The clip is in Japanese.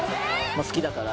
好きだから。